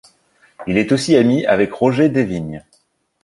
Il est aussi ami avec Roger Dévigne.